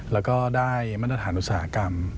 แล้วก็ได้มาตรฐานอุตสาหกรรม